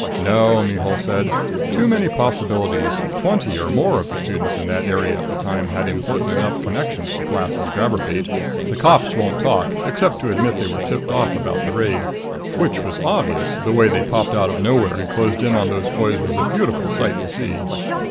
"No," Mihul said. "Too many possibilities. Twenty or more of the students in that area at the time had important enough connections to class as grabber bait. The cops won't talk except to admit they were tipped off about the raid. Which was obvious. The way they popped up out of nowhere and closed in on those boys was a beautiful sight to see!"